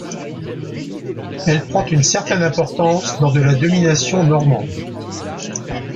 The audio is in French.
Elle prend une certaine importance lors de la domination normande.